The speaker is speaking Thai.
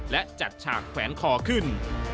และจัดฉากแขวนคอขึ้น